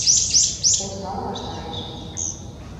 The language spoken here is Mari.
ОСАЛ ВАШТАРЕШ